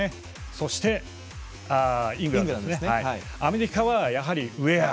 そしてアメリカは、やはりウェア。